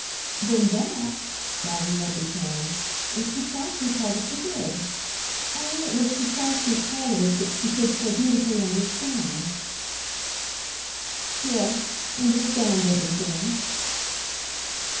"Then that," Maggie had returned, "was precisely part of the good. I mean it was precisely part of it that she could so beautifully understand." "Yes understand everything."